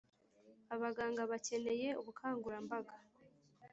Abaganga bakeneye ubukangurambaga